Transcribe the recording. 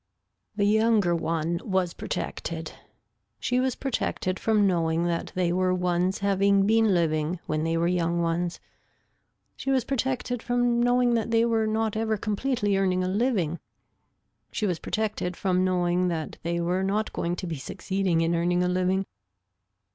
The younger one was protected. She was protected from knowing that they were ones having been living when they were young ones, she was protected from knowing that they were not ever completely earning a living, she was protected from knowing that they were not going to be succeeding in earning a living.